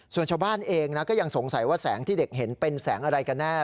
ส่วนชาวบ้านเองนะก็ยังสงสัยว่าแสงที่เด็กเห็นเป็นแสงอะไรกันแน่